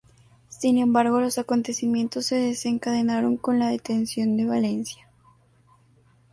Sin embargo los acontecimientos se desencadenaron con la detención de Valencia.